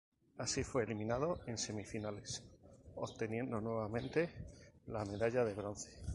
Allí, fue eliminado en semifinales obteniendo nuevamente la medalla de bronce.